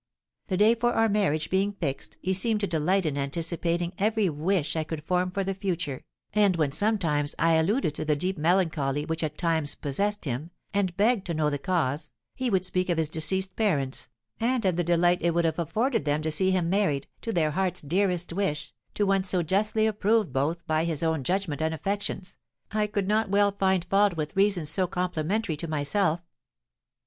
The day for our marriage being fixed, he seemed to delight in anticipating every wish I could form for the future, and, when sometimes I alluded to the deep melancholy which at times possessed him, and begged to know the cause, he would speak of his deceased parents, and of the delight it would have afforded them to see him married, to their hearts' dearest wish, to one so justly approved both by his own judgment and affections, I could not well find fault with reasons so complimentary to myself.